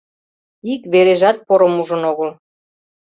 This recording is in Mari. Ик вережат порым ужын огыл.